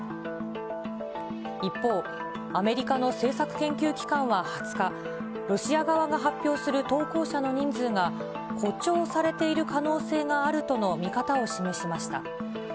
一方、アメリカの政策研究機関は２０日、ロシア側が発表する投降者の人数が誇張されている可能性があるとの見方を示しました。